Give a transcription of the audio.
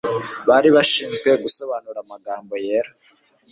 bari bashinzwe gusobanura amagambo yera.